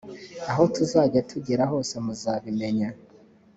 aho tuzajya tugera hose muzabimenya.